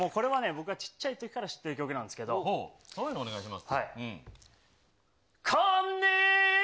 僕がちっちゃいときから知ってるそういうのお願いします。